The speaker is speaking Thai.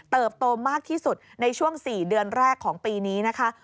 โตมากที่สุดในช่วง๔เดือนแรกของปีนี้นะคะ